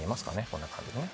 こんな感じでね。